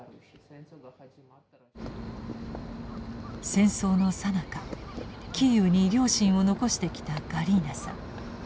戦争のさなかキーウに両親を残してきたガリーナさん。